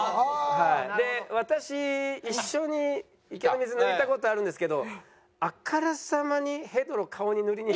で私一緒に池の水抜いた事あるんですけどあからさまにヘドロ顔に塗りに。